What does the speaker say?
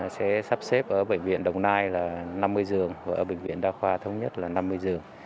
sẽ sắp xếp ở bệnh viện đồng nai là năm mươi giường ở bệnh viện đa khoa thống nhất là năm mươi giường